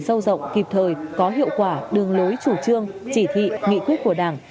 sâu rộng kịp thời có hiệu quả đường lối chủ trương chỉ thị nghị quyết của đảng